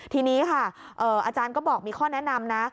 ทีนี้ค่ะอาจารย์ก็บอกมีข้อแนะนำนะ